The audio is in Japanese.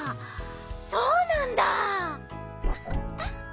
そうなんだ！